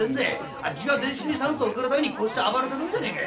あっちが全身に酸素を送るためにこうして暴れてるんじゃねえか。